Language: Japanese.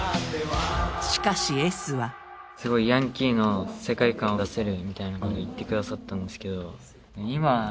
すごいヤンキーの世界観を出せるみたいなこと言ってくださったんですけど。